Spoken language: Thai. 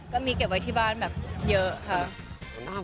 ก็มีเก็บไว้ที่บ้านแบบเยอะค่ะ